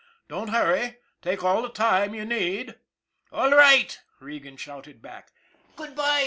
" Don't hurry, take all the time you need." " All right," Regan shouted back. " Good by."